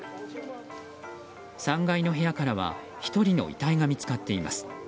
３階の部屋からは１人の遺体が見つかっています。